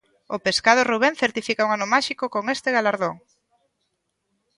O Pescados Rubén certifica un ano máxico con este galardón.